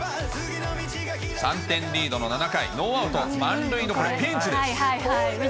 ３点リードの７回、ノーアウト満塁のピンチです。